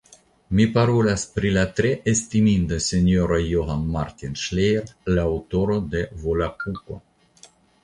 Mi parolas pri la tre estiminda sinjoro Johann Martin Ŝlejer, la aŭtoro de Volapuko.